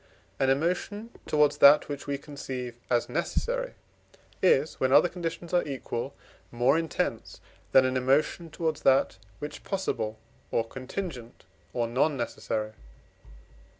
An emotion towards that which we conceive as necessary is, when other conditions are equal, more intense than an emotion towards that which possible, or contingent, or non necessary.